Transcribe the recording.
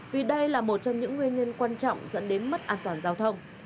vì đây là một trong những nguyên nhân quan trọng dẫn đến mất an toàn giao thông